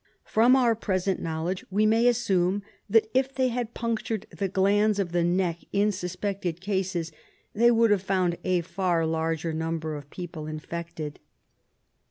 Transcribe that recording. From our present knowledge we may assume that if they had punctured the glands of the neck in suspected cases they would have found a far larger number o£ people infected.